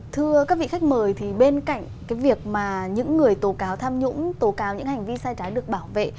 thưa các vị khách mời thì bên cạnh cái việc mà những người tố cáo tham nhũng tố cáo những hành vi sai trái được bảo vệ